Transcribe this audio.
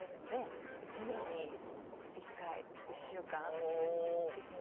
１年に１回１週間。